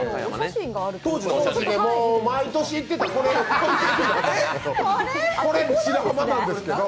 毎年行ってた、これ、白浜なんですけれども。